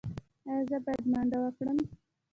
ایا زه باید منډه وکړم؟